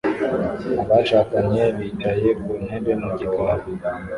Abashakanye bicaye ku ntebe mu gikari